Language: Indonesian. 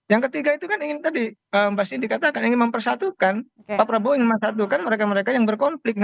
yang ketiga itu kan ingin tadi mbak siti katakan ingin mempersatukan pak prabowo ingin mempersatukan mereka mereka yang berkonflik